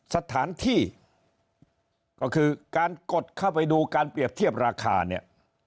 สถานที่ก็คือการกดเข้าไปดูการเปรียบเทียบราคาเนี่ย